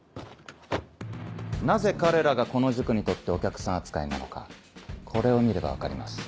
なぜ彼らがこの塾にとってお客さん扱いなのかこれを見れば分かります。